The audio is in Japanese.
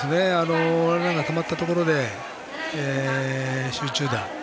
ランナーがたまったところで集中打。